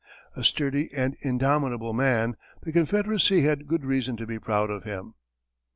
A sturdy and indomitable man, the Confederacy had good reason to be proud of him.